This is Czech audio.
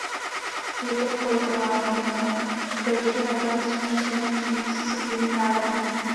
Je to politováníhodné, protože nakonec musíme přijít s citlivým návrhem.